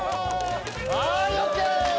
はいＯＫ！